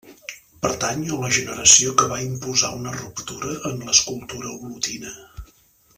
Pertany a la generació que va imposar una ruptura en l'escultura olotina.